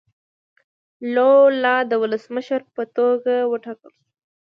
لولا د ولسمشر په توګه وټاکل شو.